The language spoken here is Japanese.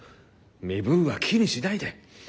身分は気にしないで。